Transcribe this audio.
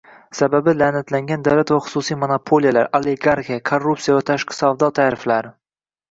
Sababi - la'natlangan davlat va xususiy monopoliyalar, oligarxiya, korrupsiya va tashqi savdo tariflari